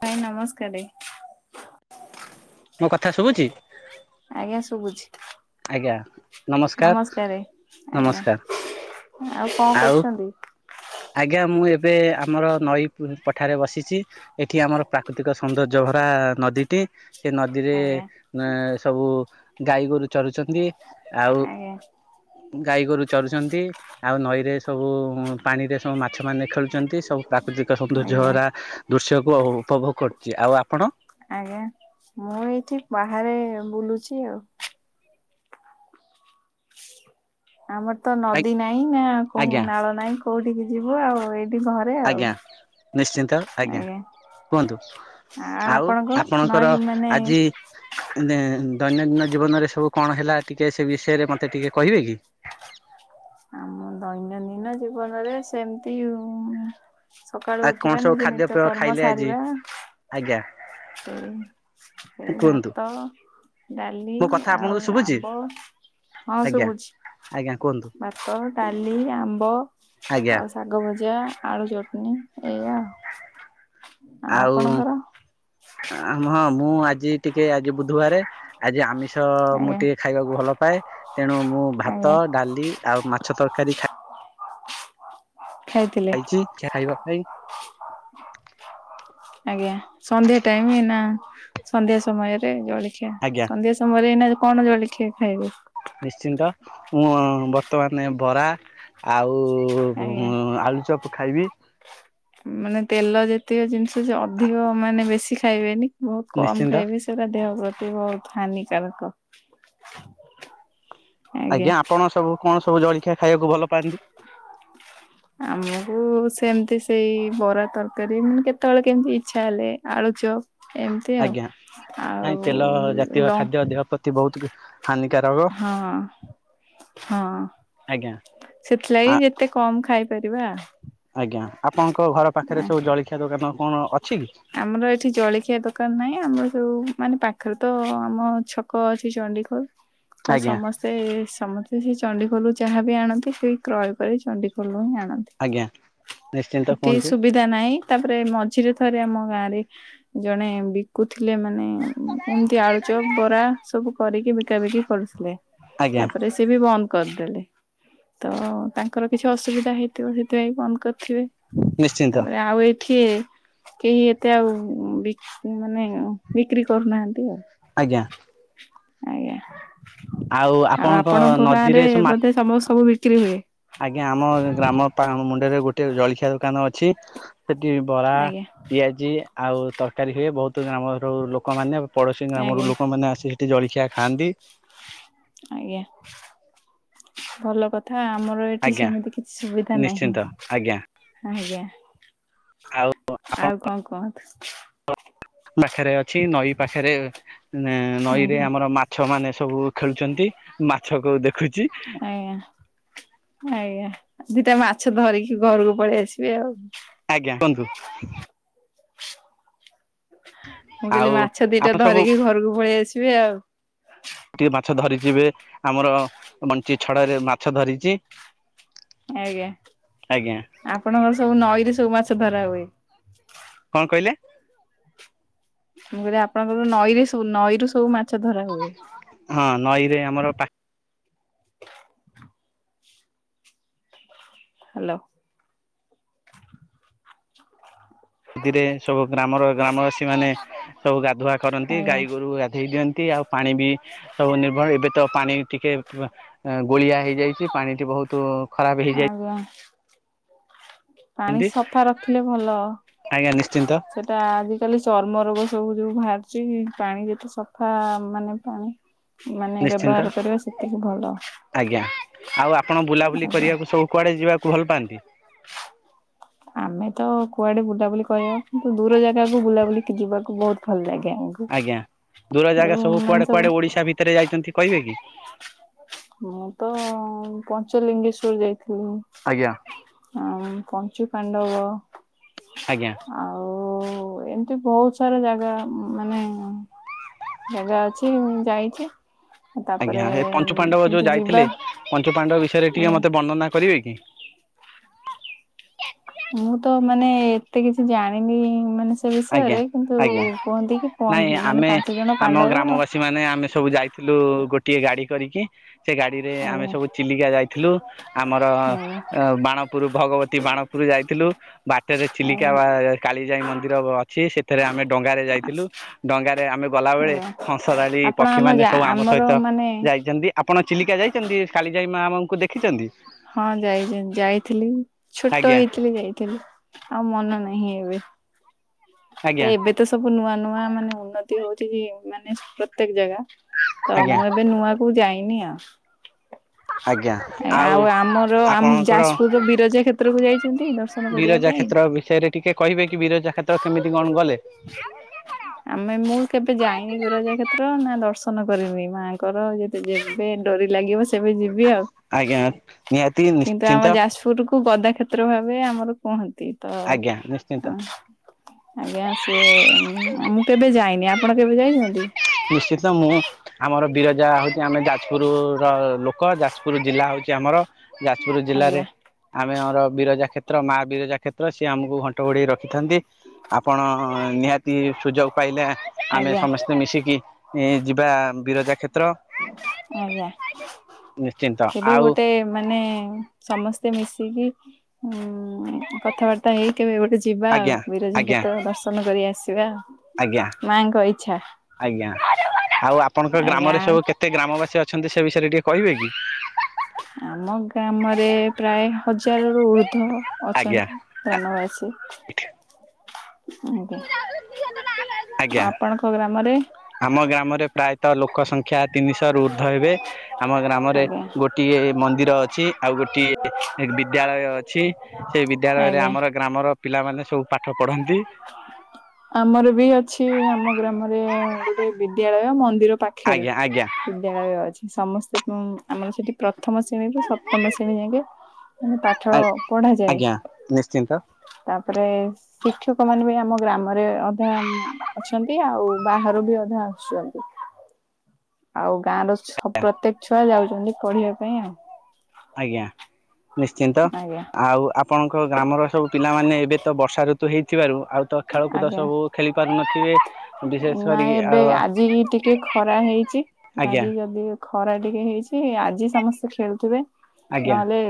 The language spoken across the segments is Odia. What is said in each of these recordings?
ମାଇଁ ନମସ୍କାରରେ। ମୋ କଥା ଶୁଭୁଛି? ଆଜ୍ଞା ଶୁଭୁଛି। ଆଜ୍ଞା ନମସ୍କାର ଆଜ୍ଞା। ନମସ୍କାର ଆଉ କଣ ଆଉ କରୁଛନ୍ତି? ଆଜ୍ଞା ମୁଁ ଏବେ ଆମର ନଈ ପଠାରେ ବସିଛି। ଏଠି ଆମର ପ୍ରାକୃତିକ ସୌନ୍ଦର୍ଯ୍ୟ ଭରା ନଦୀଟି। ସେ ନଦୀରେ ଆଜ୍ଞା ଅ ସବୁ ଗାଈ ଗୋରୁ ଚରୁଛନ୍ତି। ଆଉ ଆଜ୍ଞା। ଗାଈ ଗୋରୁ ଚରୁଛନ୍ତି ଆଉ ନଈରେ ସବୁ ପାଣିରେ ସବୁ ମାଛମାନେ ଖେଳୁଛନ୍ତି ସବୁ ପ୍ରାକୃତିକ ସୌନ୍ଦର୍ଯ୍ୟ ଆଜ୍ଞା ଭରା ଦୃଶ୍ୟକୁ ଉପଭୋଗ କରୁଛି। ଆଉ ଆପଣ? ଆଜ୍ଞା। ମୁଁ ଏଇଠି ବାହାରେ ବୁଲୁଛି ଆଉ। ଆମର ତ ନଦୀ ନାହିଁ ନା କୋ ଆଜ୍ଞା ନାଳ ନାହିଁ କୋଉଠିକି ଯିବୁ ଆଉ ଏଇି, ଆଜ୍ଞା ନିଶ୍ଚିନ୍ତ ଆଜ୍ଞା। କୁହନ୍ତୁ ଆ ଆଉ ଆପଣଙ୍କ ନଈ ଆପଣଙ୍କର ମାନେ ଆଜି ଦୈନନ୍ଦିନ ଜୀବନରେ ସବୁ କଣ ହେଲା ଟିକେ ସେ ବିଷୟରେ ମତେ ଟିକେ କହିବେ କି? ଆମ ଦୈନନ୍ଦିନ ଜୀବନରେ ସେମିତି ସକାଳୁ ଆଉ କଣ ଉଠିବା ସବୁ ନିଜେ ନିଜ ଖାଦ୍ୟପେୟ ନିତ୍ୟକର୍ମ ଖାଇଲେ ଆଜି ସାରିବା। ଆଜ୍ଞା ସେଇ ସେଇ କୁହନ୍ତୁ ଭାତ ଡାଲି ମୋ କଥା ଆଉ ଆପଣଙ୍କୁ ଶୁଭୁଛି? ଆମ୍ବ। ହଁ ଆଜ୍ଞା ସୁବୁଛି ଆଜ୍ଞା କୁହନ୍ତୁ ଭାତ ଡାଲି ଆମ୍ବ ଆଜ୍ଞା ଆଉ ଶାଗ ଭଜା, ଆଳୁ ଚଟଣି ଏୟା ଆଉ। ଆଉ ହଁ ମୁଁ ଆଜି ଟିକେ ଆଜି ବୁଧବାର ଆଜି ଆମିଷ ମାଛ ମୁଁ ଆଜ୍ଞା ଟିକେ ଖାଇବାକୁ ଭଲ ପାଏ ତେଣୁ ମୁଁ ଆଜ୍ଞା ଭାତ ଡାଲି ଆଉ ମାଛ ତରକାରୀ ଖାଇ ଖାଇଥିଲେ ଖାଇଛି ଯେ ଖାଇବା ଖାଇ ଆଜ୍ଞା ସନ୍ଧ୍ୟା ଟାଇମ ନା ସନ୍ଧ୍ୟା ସମୟରେ ଜଳଖିଆ ଆଜ୍ଞା ସନ୍ଧ୍ୟା ତମର ଏଇନା କଣ ଜଳଖିଆ ଖାଇବ? ନିଶ୍ଚିନ୍ତମୁଁ ବର୍ତ୍ତମାନ ବରା ଆଉ ଆଜ୍ଞା। ଆଲୁ ଚପ। ଚପ୍ ଖାଇବି। ମାନେ ତେଲ ଯେତିକ ଜିନିଷ ଯେ ଅଧିକ ମାନେ ବେଶି ଖାଇବେନି ବହୁତ କମ ନିଶ୍ଚିନ୍ତ ଖାଇବେ। ସେଟା ଦେହ ପ୍ରତି ବହୁତ ହାନିକାରକ। ଆଜ୍ଞା ଆପଣ ସବୁ କଣ ସବୁ ଜଳଖିଆ ଖାଇବାକୁ ଭଲ ପାଆନ୍ତି? [inaudible] ଆମକୁ ସେମିତି ସେଇ ବରା ତରକାରୀ ମାନେ କେତେବେଳେ କେମିତି ଇଛା ହେଲେ ଆଳୁ ଚପ ଏମିତି ଆଉ ଆଜ୍ଞା ନାଇଁ ଆଉ ତେଲ ଜାତୀୟ ଖାଦ୍ୟ ଲଙ୍କା ଦେହ ପ୍ରତି ବହୁତ ହାନିକାରକ ହଁ ଆଜ୍ଞା। ଆ ସେଥିଲାଗି ଯେତେ କମ ଖାଇପାରିବା। ଆଜ୍ଞା ଆପଣଙ୍କ ଘର ପାଖରେ ସବୁ ଜଳଖିଆ ଦୋକାନ କଣ ଅଛି? ଆମର ଏଠି ଜଳଖିଆ ଦୋକାନ ନାହିଁ ଆମର ଯୋଉ ମାନେ ପାଖରେ ତ ଆମ ଛ କ ଅଛି ଚଣ୍ଡିଖୋଲ ତ ଆଜ୍ଞା ସମସ୍ତ ସେ ସମସ୍ତେ ସେଇ ଚଣ୍ଡି ଖୋଲ ରୁ ଯାହା ବିି ଆଣନ୍ତି ସେ କ୍ରୟ କରି ଚଣ୍ଡି ଖୋଲ ରୁ ହିଁ ଆଣନ୍ତି। ଆଜ୍ଞା ନିଶ୍ଚିନ୍ତ କୁହନ୍ତୁ। ସୁଧା ନାଇଁ ତାପରେ ମଝିରେ ଥରେ ଆମ ଗାଁ ରେ ଜଣେ ବିକୁଥିଲେ ମାନେ ଏମିତି ଆଳୁଚପ ବରା ସବୁ କରିକି ବିକାବିକି କରୁଥିଲେ ଆଜ୍ଞା ତାପରେ ସେ ସେ ବି ବନ୍ଦ କରିଦେଲେ। ତ ତାଙ୍କର କିଛି ଅସୁବିଧା ହେଇଥିବ ସେଥିପାଇଁ ବନ୍ଦ କରିଥିବେ। ନିଶ୍ଚିନ୍ତ ତାପରେ ଆଉ ଏଠି କେହି ଏ ତେ ଆଉ ବିକି ମାନେ ବିକ୍ରି କରୁନାହାନ୍ତି ଆଉ। ଆଜ୍ଞା। ଆଜ୍ଞା। ଆଉ ଆପଣଙ୍କ ଗାଁ ରେ ନଦୀରେ ସବୁ ମା ବୋଧେ ସବ ସବୁ ବିକ୍ରି ହୁଏ। ଆଜ୍ଞା ଆମ ଗ୍ରାମ ପା ମୁଣ୍ଡରେ ଗୋଟେ ଜଳଖିଆ ଦୋକାନ ଅଛି। ସେଠି ବରା ଆଜ୍ଞା ପିଆଜି ଆଉ ତରକାରୀ ହୁଏ ବହୁତ ଗ୍ରାମ ର ଉ ଲୋକମାନେ ପଡୋଶୀ କ ଗ୍ରାମରୁ ଆଜ୍ଞା ଲୋକମାନେ ଆସି ସେଠି ଜଳଖିଆ ଖାଆନ୍ତି। ଆଜ୍ଞା ଭଲ କ ଥା ଆମର ଏଠି ଆଜ୍ଞା। ସେମିତି କିଛି ସୁବିଧା ନିଶ୍ଚିନ୍ତ ନାହିଁ ଆଜ୍ଞା ଆଜ୍ଞା। ଆଉ ଆପଣଙ୍କ ଆଉ କଣ କୁହନ୍ତୁ। ବାଖରେ ଅଛି ନଈ ପାଖରେ ନଈରେ ଆଜ୍ଞା ଆମର ମା ମାଛ ମାନେ ସବୁ ଖେଳୁଛନ୍ତି ମାଛକୁ ଦେଖୁଛି। ଆଜ୍ଞା। ଆଜ୍ଞା ଦିଟା ମାଛ ଧରିକି ଘରକୁ ପଳେଇ ଆସିବେ ଆଉ। ଆଜ୍ଞା କୁହନ୍ତୁ। ମୁଁ ଆଉ କହିଲିି ମାଛ ଦିଟା ଆପଣ ସବୁ ଧରିକି ଘରକୁ ପଳେଇ ଆସିବେ ଆଉ। ଟିକେ ମାଛ ଧରିଛି ଏବେ ଆମର ବଞ୍ଚୀ ଛଡରେ ମାଛ ଧରିଛି। ଆଜ୍ଞା ଆଜ୍ଞା ଆପଣଙ୍କର ସବୁ ନଈରେ ସବୁ ମାଛ ଧରା ହୁଏ। କଣ କହିଲେ। ମୁଁ କହିଲି ଆପଣଙ୍କର ନଈରେ ସବୁ ନଈରୁ ସବୁ ମାଛ ଧରା ହୁଏ। ହଁ ନଈରେ ଆମର ପା ହ୍ୟାଲୋ। ସେଥିରେ ସବୁ ଗ୍ରାମର ଗ୍ରାମବାସୀ ମାନେ ସବୁ ଗା ଧୁଆ କରନ୍ତି ଆଜ୍ଞା ଗାଈ ଗୋରୁ ଗାଧୋଇ ଦିଅନ୍ତି ଆଉ ପାଣି ବି ସବୁ ନିର୍ଭର ଏବେ ତ ପାଣି ଟିକେ ପ ଏ ଗୋଳିଆ ହେଇଯାଇଛି ପାଣି ଟି ବହୁତ ଖରାପ ହେଇଯାଇଛନ୍ତି ଆଜ୍ଞା। ପାଣି ସଫା ରଖିଲେ ଭଲ। ଆଜ୍ଞା ନିଶ୍ଚିନ୍ତ ସେଟା ଆଜିିକାଲି ଚର୍ମ ରୋଗ ସବୁ ଯଉ ବାହାରିଛି ପାଣି ଯେତେ ସଫା ମାନେ ପାଣି ମାନେ ନିଶ୍ଚିନ୍ତ ବ୍ୟବହାର କରିବା ସେତିକି ଭଲ। ଆଜ୍ଞା ଆଉ ଆପଣ ବୁଲାବୁଲି ଆଜ୍ଞା। କରିବାକୁ ସବୁ କୁଆଡ଼େ ଯିବାକୁ ଭଲ ପାଆନ୍ତି। ଆମେ ତ କୁଆଡେ ବୁଲାବୁଲି କରିବାକୁ କିନ୍ତୁ ଦୂର ଜାଗାକୁ ବୁଲାବୁଲି ଯିବାକୁ କି ବହୁତ ଭଲ ଲାଗେ ଆମକୁ। ଆଜ୍ଞା ଦୂର ଜାଗା ଯୋଉ ସବୁ ମାନେ କୁଆଡେ କୁଆଡେ ଓଡିଶା ଭିତରେ ଯାଇଛନ୍ତି କହିବେ କି। ମୁଁ ତ ପଞ୍ଚଲିଙ୍ଗେଶ୍ଵର ଯାଇଥିଲୁ। ଆଜ୍ଞା। ଆ ପଞ୍ଚୁ ପାଣ୍ଡବ। ଆଜ୍ଞା। ଆଉ ଏମିତି ବହୁତ ସାରା ଜାଗା ମାନେ ଜାଗା ଅଛିଁ ମୁଁ ଯାଇଛି। ତାପରେ ଆଜ୍ଞା ଏ ପଞ୍ଚୁ ପାଣ୍ଡବ କିନ୍ତୁ ଯୋଉ ଯିବା ଯାଇଥିଲେ ପଞ୍ଚୁ ପାଣ୍ଡବ ବିଷୟରେ ଟିକେ ମତେ ବର୍ଣନା କରିବେ କି। ମୁଁ ତ ମାନେ ଏତେ କିଛି ଜାଣିନି ମାନେ ସେ ଆଜ୍ଞା ବିଷୟରେ କିନ୍ତୁ ଆଜ୍ଞା। କୁହନ୍ତି କି ପନ୍ ନାଇଁ ମାନେ ଆମେ ପାଞ୍ଚ ଜଣ ଆମ ପାଣ୍ଡବ ଗ୍ରାମବାସୀ ମାନେ ଆମେ ସବୁ ଯାଇଥିଲୁ ଗୋଟିଏ ଗାଡି କରିକି। ସେ ଗାଡିରେ ଆମେ ଆଜ୍ଞା ସବୁ ଚିଲିକା ଯାଇଥିଲୁ, ଆମର ଆଜ୍ଞା ବାଣ ପୁର ଭଗବତୀ ବାଣପୁର ଯାଇଥିଲୁ, ବାଟରେ ଚିଲିକା ଆଜ୍ଞା। ବା କାଳିଜାଇ ମନ୍ଦିର ସେ ସେଥିରେ ଆମେ ଡଙ୍ଗା ରେ ଯାଇଥିଲୁ, ଡଙ୍ଗାରେ ଆମେ ଗଲା ଲା ବେଳେ ଆଜ୍ଞା ହଂସରାଳୀ ଆପଣ ପକ୍ଷୀ ଆମ ମାନେ ଯା ସବୁ ଆମ ଆମର ସହିତ ମାନେ ଯାଇଛନ୍ତି। ଆପଣ ଚିଲିକା ଯାଇଛନ୍ତି, କାଳୀଯାଇ ମା ଆମ ହଁ ଯାଇ ଯାଇଥିଲି, ଛୋଟ ଆଜ୍ଞା। ହେଇଥିଲି ଯାଇଥିଲି। ଆଉ ମନ ନାହିଁ ଏବେ। ତ ଆଜ୍ଞା ଏବେ ତ ସବୁ ନୂଆ ନୂଆ ମାନେ ଉନ୍ନତି ହଉଛି ମାନେ ପ୍ରତ୍ୟେକ ଜାଗା। ତ ଆଜ୍ଞା ମୁଁ ଏବେ ନୂଆ କୁ ଯାଇନି ଆଉ। ଆଜ୍ଞା। ଆଜ୍ଞା, ଆଉ ଆମର ଆମ ଆପଣଙ୍କର ଯାଜପୁରର ବିରଜା କ୍ଷେତ୍ର କୁ ଯାଇଛନ୍ତି ଦ ଦଶର୍ନ କରିବା ବିରଜା ପାଇଁ? କ୍ଷେତ୍ର ବିଷୟରେ ଟିକେ କହିବେ କି ବିରଜା କ୍ଷେତ୍ର କେମିତି କଣଗଲେ? ଆମେ ମୁଁ କେବେ ଯାଇନି ବିରଜା କ୍ଷେତ୍ର, ନା ଦର୍ଶନ କରନି ମାଆଙ୍କର ଯେବେ ଡୋରି ଲାଗିବ ସେବେ ଯିବି ଆଉ, ଆଜ୍ଞା ନିହାତି କିନ୍ତୁ ନିଶ୍ଚିନ୍ତ ଆମ ଯାଜପୁରକୁ କୁ ଗଦା କ୍ଷେତ୍ର ଭାବେ ଆମର କୁହନ୍ତି ତ ଆଜ୍ଞା ନିଶ୍ଚିନ୍ତ ଆଜ୍ଞା ସିଏ ମୁଁ କେବେ ଯାଇନି ଆପଣ କେବେ ଯାଇଛନ୍ତି? ନିଶ୍ଚିତ ମୁଁ ଆମର ବିରଜା ହଉଛି ଆମେ ଯାଜପୁର ର ଲୋକ ଯାଜ ଯାଜପୁର ଜିଲ୍ଲା ହଉଛି ଆମର, ଯାଜପୁର ଜିଲ୍ଲାରେ ଆଜ୍ଞା ଆମେ ଆମର ବିରଜା କ୍ଷେତ୍ର ମା ବିରଜା କ୍ଷେତ୍ର, ସିଏ ଆମକୁ ଘଣ୍ଟ ଘୋଡେଇ ରଖିଥାନ୍ତି। ଆପଣ ନିହାତି ସୁଯୋଗ ପାଇଲେ ଆମେ ଆଜ୍ଞା ସମସ୍ତେ ମିଶିକି ଏଇ ଯିବା ବିରଜା କ୍ଷେତ୍ର। ଆଜ୍ଞା ନିଶ୍ଚିନ୍ତ କେବେ ଆଉ ଗୋଟେ ମାନେ ସମସ୍ତେ ମିଶିକି କଥାବାର୍ତ୍ତା ହେଇ କେବେ ଗୋଟେ ଯିବା ଆଉ ଆଜ୍ଞା ବିରଜା ଆଜ୍ଞା କ୍ଷେତ୍ର ଦର୍ଶନ କରି ଆସିବା। ଆଜ୍ଞା ମାଙ୍କ ଇଛା। ଆଜ୍ଞା, ଆଉ ଆପଣଙ୍କ ଆଜ୍ଞା ଗ୍ରାମରେ ସବୁ କେତେ ଗ୍ରାମବାସୀ ଅଛନ୍ତି ସେ ବିଷୟରେ ଟିକେ କହିବେ କି? ଆମ ଗ୍ରାମରେ ପ୍ରାୟ ହଜାରରୁୁ ଉର୍ଦ୍ଧ୍ୱ ଆଜ୍ଞା। ଅଛନ୍ତି। ଗ୍ରାମବାସୀ, ଆଜ୍ଞା। ଆଜ୍ଞା ଆପଣ ଙ୍କ ଗ୍ରାମ ରେ? ଆମ ଗ୍ରାମରେ ପ୍ରାୟତଃ ଲୋକ ସଂଖ୍ୟା ତିନିଶହରୁ ଉର୍ଦ୍ଧ୍ୱ ହେବେ। ଆମ ଗ୍ରାମରେ ଆଜ୍ଞା ଗୋଟିଏ ମନ୍ଦିର ଅଛି ଆଉ ଗୋଟିଏ ବିଦ୍ୟାଳୟ ଅଛି। ସେଇ ବିଦ୍ୟାଳୟରେ ଆଜ୍ଞା। ଆମର ଗ୍ରାମର ପିଲାମାନେ ସବୁ ପାଠ ପଢନ୍ତି। ଆମର ବି ଅଛି, ଆମ ଗ୍ରାମରେ ଗୋଟେ ବିଦ୍ୟାଳୟ ମନ୍ଦିର ପାଖ ଆଜ୍ଞା ଆଜ୍ଞା। ବିଦ୍ୟାଳୟ ଅଛି, ସମସ୍ତେ ଆମେ ଆମର ସେଠି ପ୍ରଥମ ଶ୍ରେଣୀରୁୁ ସପ୍ତମ ଶ୍ରେଣୀ ଯାକେ ମାନେ ପାଠ ପଢାଯାଏ, ଆଜ୍ଞା ନିଶ୍ଚିନ୍ତ ତାପରେ ଶିକ୍ଷକ ଲୋକମାନେ ବି ଆମ ଗ୍ରାମରେ ଅଧା ଅଛନ୍ତି, ଆଉ ବାହାରୁ ବି ଅଧା ଆସୁଛନ୍ତି। ଆଉ ଗାଁ ର ସ ପ୍ରତ୍ୟେକ ଛୁଆ ଯାଉଛନ୍ତି ପଢିବା ପାଇଁ ଆଉ। ଆଜ୍ଞା ନିଶ୍ଚିନ୍ତ, ଆଜ୍ଞା ଆଉ ଆପ ଆପଣଙ୍କ ଗ୍ରାମର ସବୁ ପିଲାମାନେ ଏବେ ତ ବର୍ଷା ଋତୁ ହେଇଥିବାରୁ ଆଉ ତ ଖେଳକୁଦ ଆଜ୍ଞା ସବୁ ଖେଳି ପାରୁନଥିବେ? ବିଶେଷ କରି ନାଇଁ ଏବେ ଆଉ ଆଜି ଟିକେ ଖରା ହେଇଛି, ଆଜ୍ଞା ଆଜି ଯଦି ଖରା ଟିକେ ହେଇଛି ଆଜି ସମସ୍ତେ ଖେଳୁଥିବେ, ଆଜ୍ଞା ନହେଲେ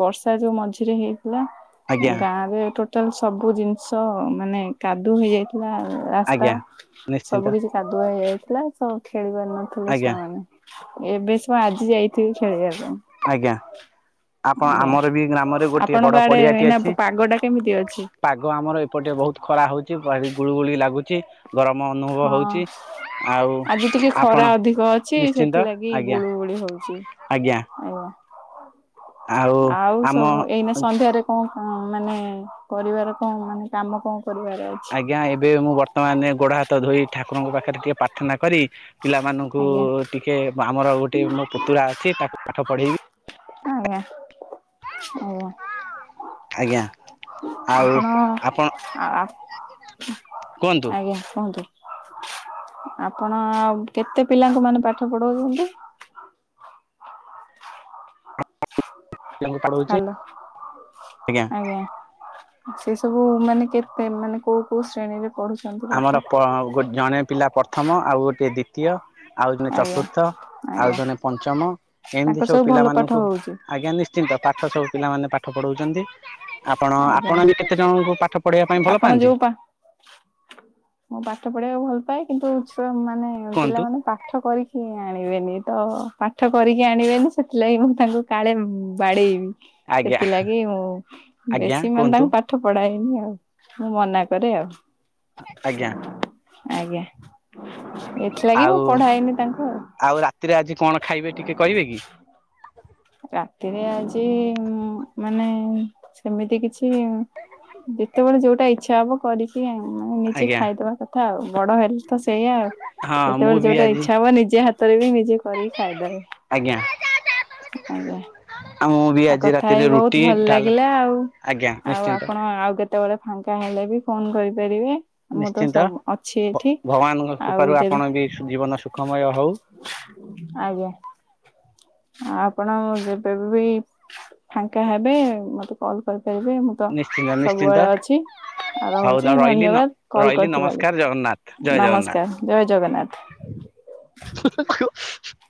ବର୍ଷ ଯୋଉ ମଝିରେ ହେଇଥିଲା, ଆଜ୍ଞା ଗାଁ ରେ ଟୋ ସବୁ ଜିନିଷ ମାନେ କାଦୁଅ ହେଇଯାଇଥିଲା ରାସ୍ତା, ଆଜ୍ଞା। ନିଶ୍ଚିନ୍ତ ସବୁ କିଛି କାଦୁଆ ହେଇଯାଇଥିଲା ସବୁ ଖେଳି ପାର ନଥିଲେ ଆଜ୍ଞା ଛୁଆମାନେ। ଏବେ ସୁ ଆଜି ଯାଇଥିବି ଖେଳିବା ପାଇଁ। ଆଜ୍ଞା। ଆପଣ ଆଜ୍ଞା ଆମର ବି ଗ୍ରାମରେ ଗୋଟିଏ ଆପଣଙ୍କ ବଡ ଆଡେ ପଡିଆଟି ଏଇନା ଅଛି। ପାଗ ଟା କେମିତି ଅଛି? ପାଗ ଆମର ଏପଟେ ବହୁତ ଖରା ହଉଛିି ଗୁଳିୁ ଗୁଳି ଲାଗୁଚି ଗରମ ଅନୁଭବ ହଁ ହଉଚି। ଆଜି ଟିକେ ଖରା ଅଧିକ ଅଛି ନିଶ୍ଚିନ୍ତ ସେଥିଲାଗି ଆଜ୍ଞା ଗୁଳୁ ଗୁଳି ହଉଚି। ଆଜ୍ଞା ଆଉ ଆମ ସବୁ ଏଇନା ସନ୍ଧ୍ୟାରେ କଣ କ ମାନେ କରିବାର କଣ ମାନେ କାମ କଣ କରିବାର ଅଛି। ଆଜ୍ଞା ଏବେ ମୁଁ ବର୍ତ୍ତମାନେ ଗୋଡ ହାତ ଧୋଇ ଠାକୁରଙ୍କ ପାଖରେ ଟିକେ ପ୍ରାର୍ଥନା କରି ପିଲାମାନଙ୍କୁ ଆଜ୍ଞା ଟିକେ ଆମର ଗୋଟେ ମୋ ପୁତୁରା ଅଛି ତାକୁ ପାଠ ପଢେଇବି। ଆଜ୍ଞା ଆଜ୍ଞା। ଆଜ୍ଞା ଆଉ ଆପଣ ଆପଣ ଆ ଆ କୁହନ୍ତୁ ଆଜ୍ଞା କୁହନ୍ତୁ। ଆପଣ ଆଉ କେତେ ପିଲାଙ୍କୁ ମାନେ ପାଠ ପଢଉଚନ୍ତି। ପିଲାଙ୍କୁ ପଢ଼ଉଛି ହାଲୋ ଆଜ୍ଞା। ସେ ସବୁ ମାନେ କେତେ ମାନେ କୋଉ କୋଉ ଶ୍ରେଣୀରେ ପଢୁ ଆମର ପ୍ର ଜଣେ ପିଲା ପର୍ଥମ ଆଉ ଗୋଟେ ଦି ତୀୟ ଆଉ ଜଣେ ଆଜ୍ଞା ଚତୁର୍ଥ ଆଉ ଆଜ୍ଞା ଜଣେ ପଞ୍ଚମ ଏମ୍ତି ତାଙ୍କର ସବୁ ଭଲ ପାଠ ପିଲାମାନଙ୍କୁ ହଉଛି ଆଜ୍ଞା ନି ଶ୍ଚିନ୍ତ ପାଠ ସବୁ ପିଲାମାନେ ପାଠ ପଢ଼ାଉଚନ୍ତି। ଆପଣ ଆଜ୍ଞା ଆପଣ ଆ କେତେ ଜଣଙ୍କୁ ପାଠ ପଢେଇବା ପାଇଁ ଭଲ ଆପଣ ପାଆନ୍ତି। ଯୋଉ ପା ମୁଁ ପାଠ ପଢିବାକୁ ଭଲ୍ ପାଏ କିନ୍ତୁ ଛୁଆ ମାନେ କୁହନ୍ତୁ ପିଲାମାନେ ପା ପାଠ କରିକି ଆଣିବେନି ତ ପାଠ କରିକି ଆଣିବେନି ସେଥିଲାଗି ମୁଁ ତାଙ୍କୁ କାଳେ ବାଡ଼େଇବି। ଆଜ୍ଞା ସେଥିଲାଗି ମୁଁ ଆଜ୍ଞା ବେଶୀ ମାନେ କୁହନ୍ତୁ ତାଙ୍କୁ ପା ଠ ପଢାଏନି ଆଉ ମୁଁ ମନା କରେ ଆଉ। ଆଜ୍ଞା। ଆଜ୍ଞା ଏଥିଲାଗି ମୁଁ ପଢାଏନି ତାଙ୍କୁ ଆଉ। ତିରେ ଆଜି କଣ ଖାଇବେ ଟିକେ କହିବେ କି। ରାତିରେ ଆଜି ମାନେ ସେମିତି କିଛି। ଯେତେବେଳେ ଯୋଉଟା ଇଚ୍ଛା ହବ କରିକି ମୁଁ ନିଜେ ଆଜ୍ଞା ଖାଇଦବା କଥା ଆଉ ବଡ ହେଲେ ତ ସେଇୟା ଆଉ ହଁ ମୁଁ ଯେତେବେଳେ ବି ଯୋଉଟା ଆଜି ଇଚ୍ଛା ହବ ନିଜେ ହାତରେ ବି ନିଜେ କରିକି ଖାଇଦେବେ। ଆଜ୍ଞା। ଆଜ୍ଞା ଆଉ ମୁଁ ବି ଆଉ ଆଜି କଥା ହେଇ ରାତିରେ ବୋହୁତ୍ ରୁଟି ଭଲ୍ ଡାଲ ଲାଗିଲା ଆଉ। ଆଜ୍ଞା ଆଉ ନିଶ୍ଚିନ୍ତ ଆପଣ ଆଉ କେତେବେଳେ ଫାଙ୍କା ହେଲେ ବି ଫୋନ୍ କରିପାରିବେ। ମୁଁ ତ ନିଶ୍ଚିନ୍ତ ସବୁ ଅଛି ଭ ଏଠି। ଭଗବାନଙ୍କ ଆଉ କୃପାରୁ ଯେବେ ଆପଣ ବି ଜୀବନ ସୁଖମୟ ହଉ। ଆଜ୍ଞା। ଆପଣ ଯେବେ ବି ଫାଙ୍କା ହେବେ ମତେ କଲ୍ କରିପାରିବେ ମୁଁ ତ ନିଶ୍ଚିନ୍ତ ନିଶ୍ଚିନ୍ତ ସବୁବେଳେ ଅଛି। ଆଉ ହଉ ରହୁଛି ରହିଲି ଧନ୍ୟବାଦ୍ କଲ୍ ରହିଲି କରିିଥିବାରୁ ନମସ୍କାର ଜଗନ୍ନାଥ ଜୟ ଜଗନ୍ନାଥ। ନମସ୍କାର୍ ଜୟ୍ ଜଗନ୍ନାଥ୍। [inaudible]